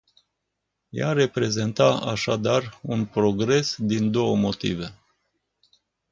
Ea reprezenta, așadar, un progres, din două motive.